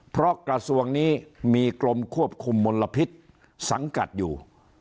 เพราะกระทรวงนี้มีกรมควบคุมมลพิษสังกัดอยู่